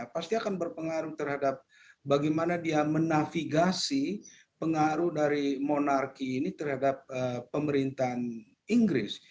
pasti akan berpengaruh terhadap bagaimana dia menafigasi pengaruh dari monarki ini terhadap pemerintahan inggris